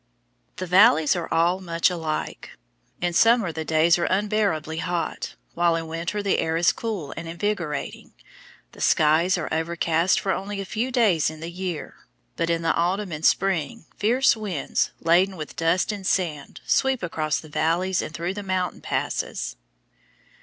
The valleys are all much alike. In summer the days are unbearably hot, while in winter the air is cool and invigorating. The skies are overcast for only a few days in the year, but in the autumn and spring fierce winds, laden with dust and sand, sweep across the valleys and through the mountain passes.